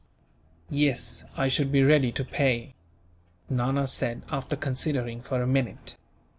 "Yes, I should be ready to pay," Nana said, after considering for a minute.